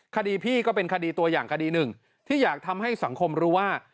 คดีพี่ก็เป็นคดีตัวอย่างคดีหนึ่งที่อยากทำให้สังคมรู้ว่า